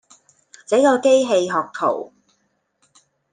這個機器學徒